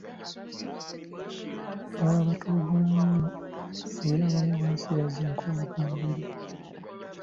Baabatulugunya nnyo era abamu baasigaza nkovu ku mibiri.